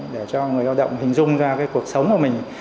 để cho người lao động hình dung ra cái cuộc sống của mình